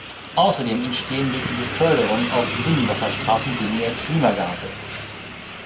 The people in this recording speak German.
Außerdem entstehen durch die Beförderung auf Binnenwasserstraßen weniger Klimagase.